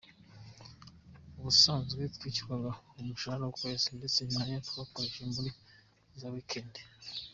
Ubusanzwe twishyurwaga umushahara ku kwezi ndetse n’ayo twakoreye muri za wikende.”